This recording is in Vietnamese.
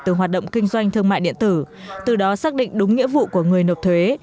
từ hoạt động kinh doanh thương mại điện tử từ đó xác định đúng nghĩa vụ của người nộp thuế